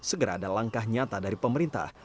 segera ada langkah nyata dari pemerintah